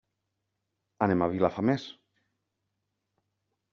Anem a Vilafamés.